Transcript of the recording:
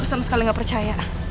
aku sama sekali gak percaya